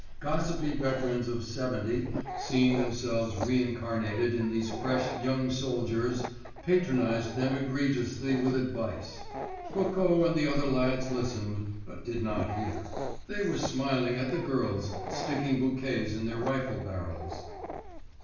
Gossipy veterans of '70, seeing themselves reincarnated in these fresh young soldiers, patronized them egregiously with advice. Coco and the other lads listened, but did not hear; they were smiling at the girls sticking bouquets in their rifle barrels.